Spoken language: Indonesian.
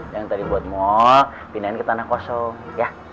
yang tadi buat mall pindahin ke tanah kosong ya